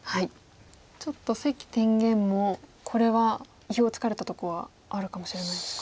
ちょっと関天元もこれは意表をつかれたとこはあるかもしれないですか。